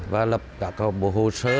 và lập các hồ sơ